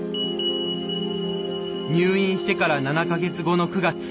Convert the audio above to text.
入院してから７か月後の９月。